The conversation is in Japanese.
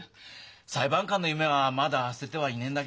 裁判官の夢はまだ捨てではいねえんだ